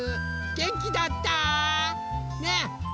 げんきだった？ねえ。